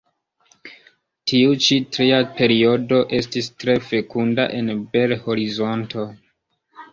Tiu ĉi tria periodo estis tre fekunda en Bel-Horizonto.